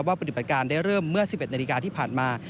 ปฏิบัติการได้เริ่มเมื่อ๑๑นาฬิกาที่ผ่านมา